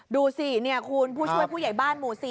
ดูสิคุณผู้ช่วยผู้ใหญ่บ้านหมู่๔